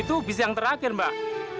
itu bisa yang terakhir mbak